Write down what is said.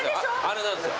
あれなんすよ。